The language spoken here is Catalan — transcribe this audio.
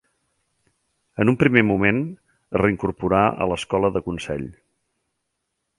En un primer moment es reincorporà a l'escola de Consell.